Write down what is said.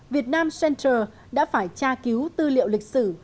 việt nam center đã phải tra cứu tư liệu lịch sử